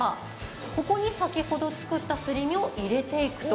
ここに先ほど作ったすり身を入れていくと。